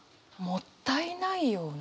「もったいないような」。